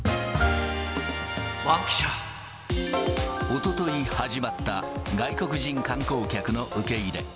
おととい始まった、外国人観光客の受け入れ。